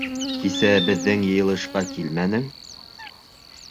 Кисә беҙҙең йыйылышҡа килмәнең.